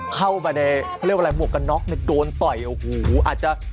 เข้าไปในล้านบวกกันน๊อคแล้วโดนต่อยโอ้โฮอาจจะ